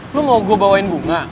lo mau gue bawain bunga